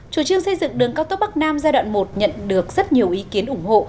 chủ trương xây dựng đường cao tốc bắc nam giai đoạn một nhận được rất nhiều ý kiến ủng hộ